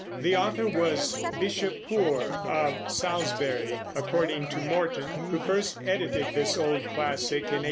The author was Bishop Poore of Salisbury, according to Morton, who first edited this old classic in 1853.